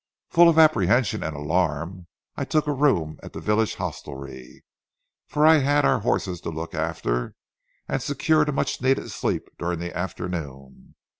Full of apprehension and alarm, I took a room at the village hostelry, for I had our horses to look after, and secured a much needed sleep during the afternoon.